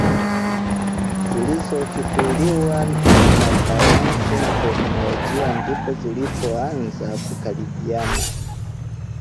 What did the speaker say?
zilizochukuliwa na sayansi na teknolojia ndipo zilipoanza kukaribiana